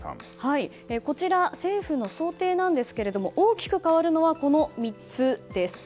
こちら、政府の想定ですが大きく変わるのはこの３つです。